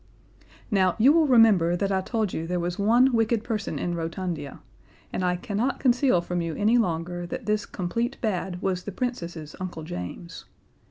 Now, you will remember that I told you there was one wicked person in Rotundia, and I cannot conceal from you any longer that this Complete Bad was the Princess's Uncle James.